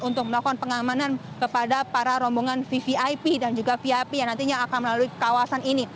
untuk melakukan pengamanan kepada para rombongan vvip dan juga vip yang nantinya akan melalui kawasan ini